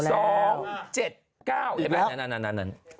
อีกแล้วนั่น